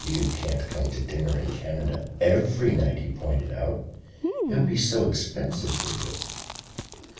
"You can't come to dinner in Canada every night," he pointed out. "It would be so expensive for you."